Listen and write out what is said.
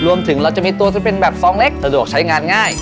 รวมถึงเราจะมีตัวที่เป็นแบบซองเล็กสะดวกใช้งานง่าย